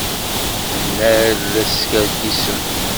Tenna-d la teskerkisem.